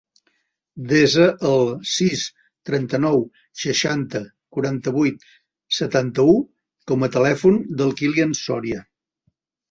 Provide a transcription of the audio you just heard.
Desa el sis, trenta-nou, seixanta, quaranta-vuit, setanta-u com a telèfon del Kilian Soria.